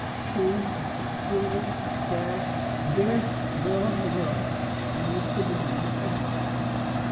She is the sweetest, fairest, dearest girl in the world, and is to be named Ethel.